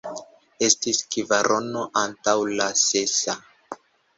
Estis kvarono antaŭ la sesa.